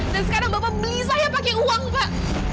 dan sekarang bapak beli saya pake uang pak